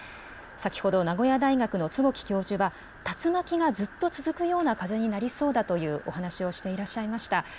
先ほど、名古屋大学の坪木教授は、竜巻がずっと続くような風になりそうだというお話をしていらっしゃいました。